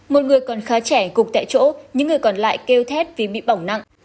một người còn khá trẻ gục tại chỗ những người còn lại kêu thét vì bị bỏng nặng